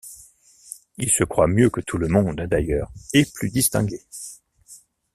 Il se croit mieux que tout le monde d'ailleurs et plus distingué.